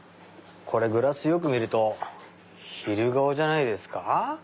グラスよく見るとヒルガオじゃないですか？